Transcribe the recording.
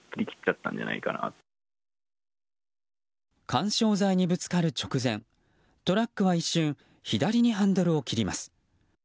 緩衝材にぶつかる直前トラックは一瞬、左にハンドルを切ります。